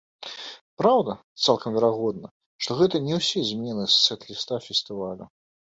Праўда, цалкам верагодна, што гэта не усе змены сэт-ліста фестывалю.